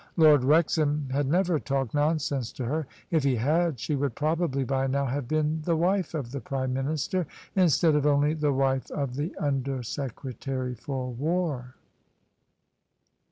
Lord Wrexham had never talked nonsense to her: if he had, she would probably by now have been the wife of the Prime Minister, instead of only the wife of the Under Secretary for War.